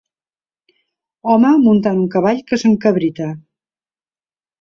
Home muntant un cavall que s'encabrita